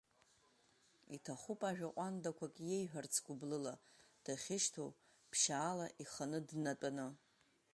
Иҭахуп ажәа ҟәандақәак иеиҳәарц гәыблыла, дахьышьҭоу ԥшьаала иханы днатәаны.